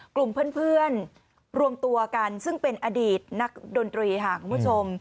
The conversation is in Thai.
กลุ่มเพื่อนรวมตัวกันซึ่งเป็นอดีตนักดนตรีค่ะคุณผู้ชม